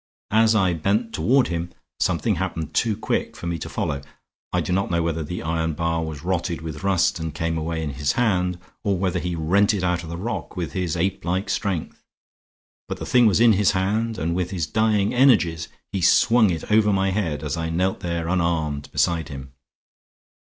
As I bent toward him something happened too quick for me to follow. I do not know whether the iron bar was rotted with rust and came away in his hand, or whether he rent it out of the rock with his apelike strength; but the thing was in his hand, and with his dying energies he swung it over my head, as I knelt there unarmed beside him.